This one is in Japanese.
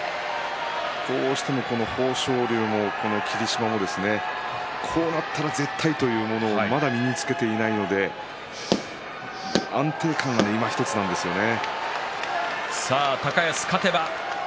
どうしても豊昇龍も霧島もこうなったら絶対というものがまだ身につけていないので安定感がいまひとつなんですよね。